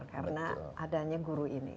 karena adanya guru ini